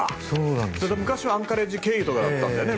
昔はアンカレッジ経由とかだったんだよね。